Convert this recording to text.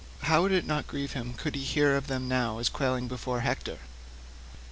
How would it not grieve him could he hear of them as now quailing before Hector?